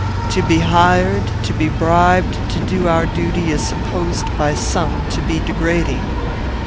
To be hired, to be bribed, to do our duty is supposed by some to be degrading."